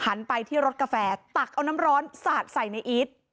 ไปที่รถกาแฟตักเอาน้ำร้อนสาดใส่ในอีท